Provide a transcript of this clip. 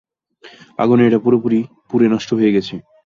আগুণে এটা পুরোপুরি পুড়ে নষ্ট হয়ে গেছে।